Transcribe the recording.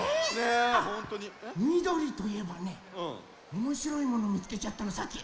みどりといえばねおもしろいものみつけちゃったのさっき。